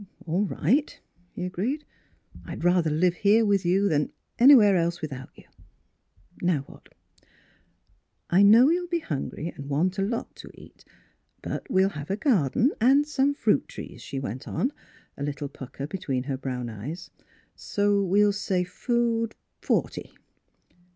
"All right," he agreed. "I'd rather live here with you than anywhere else without you. Now what ?"" I know you'll be hungry and want a lot to eat. But we'll have a garden and some fruit trees," she went on, a little pucker between her brown eyes, " so we'll say food forty."